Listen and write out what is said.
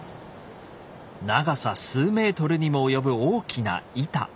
長さ数メートルにも及ぶ大きな板。